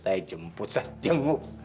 putai jemput sas jenguk